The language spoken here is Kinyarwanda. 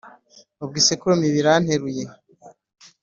Ubwo isekurume iba iranteruye